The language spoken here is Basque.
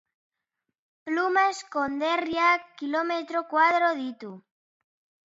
Plumas konderriak kilometro koadro ditu.